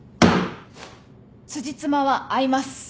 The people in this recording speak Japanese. つじつまは合います。